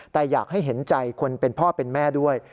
แต่อยากให้เห็นใจคนเป็นพ่อเป็นแม่ด้วย